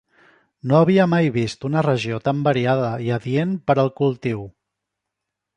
No havia mai vist una regió tan variada i adient per al cultiu.